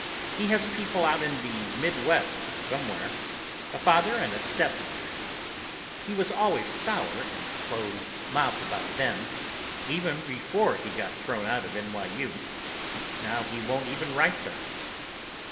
He has people out in the Midwest somewhere—a father and a stepmother. He was always sour and close mouthed about them, even before he got thrown out of NYU. Now he won't even write them."